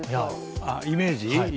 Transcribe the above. イメージ？